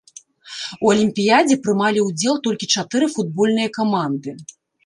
У алімпіядзе прымалі ўдзел толькі чатыры футбольныя каманды.